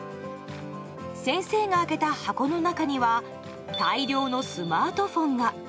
先生が開けた箱の中には大量のスマートフォンが。